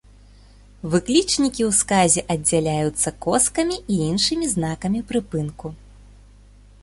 Выклічнікі ў сказе аддзяляюцца коскамі і іншымі знакамі прыпынку.